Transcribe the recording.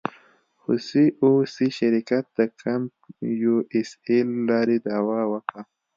خو سي او سي شرکت د کمپ یو اس اې له لارې دعوه وکړه.